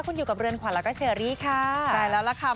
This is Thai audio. คุณอยู่กับเรือนขวัญแล้วก็เชอรี่ค่ะใช่แล้วล่ะค่ะ